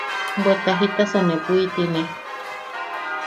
Bweta ¡Jitasa ne bwitine!